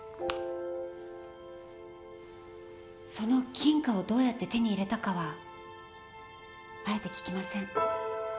その金貨をどうやって手に入れたかはあえて聞きません。